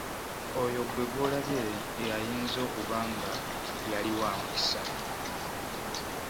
Oyo ggwe gw'olabye ye ayinza okuba nga yali wa mukisa.